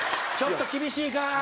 ちょっと厳しいか。